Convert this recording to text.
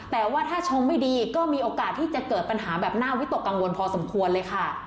แต่ว่าถ้าชงไม่ดีก็มีโอกาสที่จะเกิดปัญหาแบบน่าวิตกกังวลพอสมควรเลยค่ะ